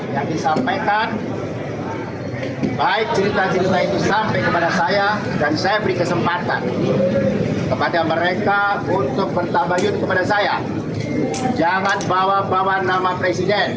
jangan bawa bawa nama presiden jangan bawa bawa nama lembaga lembaga negara